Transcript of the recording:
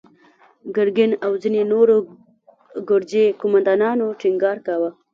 ګرګين او ځينو نورو ګرجي قوماندانانو ټينګار کاوه.